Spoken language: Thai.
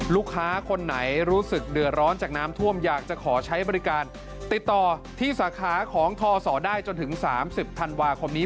ลูกค้าคนไหนรู้สึกเดือดร้อนจากน้ำท่วมอยากจะขอใช้บริการติดต่อที่สาขาของทศได้จนถึง๓๐ธันวาคมนี้